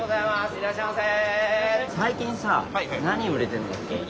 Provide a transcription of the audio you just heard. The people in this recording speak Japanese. いらっしゃいませ！